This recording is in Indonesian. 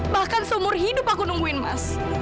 bahkan seumur hidup aku nungguin mas